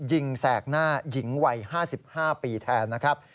แสกหน้าหญิงวัย๕๕ปีแทนนะครับ